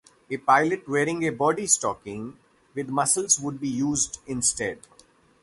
A pilot wearing a body stocking with muscles would be used instead.